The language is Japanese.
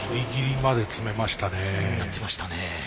やってましたね。